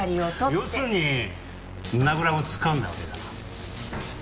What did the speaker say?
要するに胸ぐらをつかんだわけだな。